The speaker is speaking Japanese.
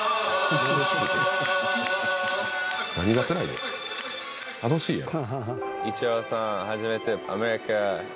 何がつらいねん楽しいやろ。